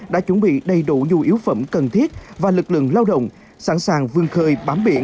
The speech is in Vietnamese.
đã chuẩn bị đầy đủ nhu yếu phẩm cần thiết và lực lượng lao động sẵn sàng vương khơi bám biển